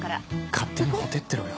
勝手に火照ってろよ